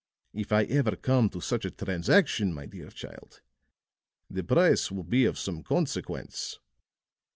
If I ever come to such a transaction, my dear child, the price will be of some consequence."